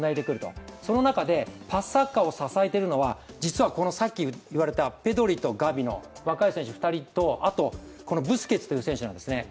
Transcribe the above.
その中でパスサッカーを支えているのは実はペドリとガビの若い選手２人と、ブスケッツという選手なんですね。